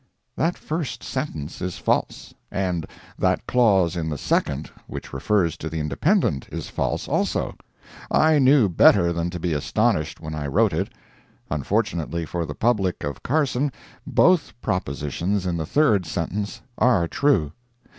That first sentence is false, and that clause in the second, which refers to the Independent, is false, also. I knew better than to be astonished when I wrote it. Unfortunately for the public of Carson, both propositions in the third sentence are true.